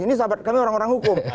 ini sahabat kami orang orang hukum